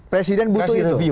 presiden butuh itu